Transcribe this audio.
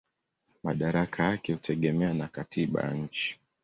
Madaraka yake hutegemea na katiba ya nchi.